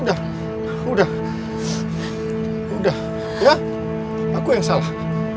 aku yang salah